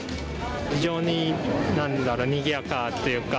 非常に何だろうにぎやかというか。